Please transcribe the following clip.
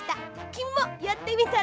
きみもやってみたら？